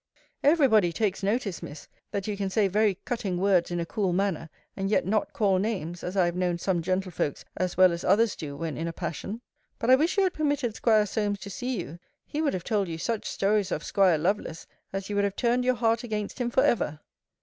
Every body takes notice, Miss, that you can say very cutting words in a cool manner, and yet not call names, as I have known some gentlefolks as well as others do when in a passion. But I wish you had permitted 'Squire Solmes to see you: he would have told you such stories of 'Squire Lovelace, as you would have turned your heart against him for ever.